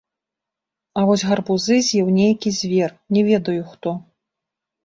А вось гарбузы з'еў нейкі звер, не ведаю хто.